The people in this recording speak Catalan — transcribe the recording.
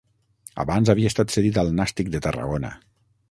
Abans havia estat cedit al Nàstic de Tarragona.